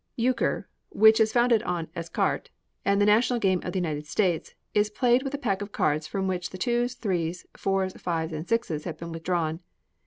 Euchre, which is founded on Ecarté, and is the national game of the United States, is played with a pack of cards from which the twos, threes, fours, fives, and sixes have been withdrawn.